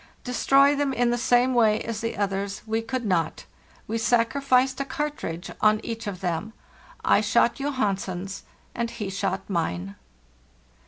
Destroy them in the same way as the others we could not; we sacri ficed a cartridge on each of them. I shot Johansen's, and he shot mine.